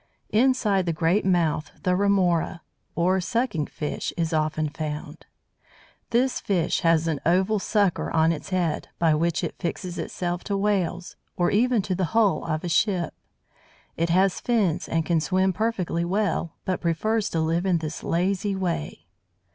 Inside the great mouth the Remora? or Sucking Fish, is often found. This fish has an oval sucker on its head, by which it fixes itself to Whales, or even to the hull of a ship. It has fins, and can swim perfectly well, but prefers to live in this lazy way.